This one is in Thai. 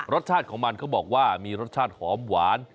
รสชาติของมันเขาบอกว่ามีรสชาติหอมหวาน